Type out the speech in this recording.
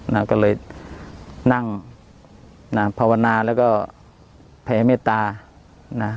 นาก็เลยนั่งนะภาวนาแล้วก็แผ่เมตตานะ